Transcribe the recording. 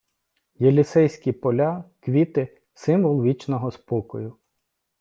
Єлісейські поля, квіти — символ вічного спокою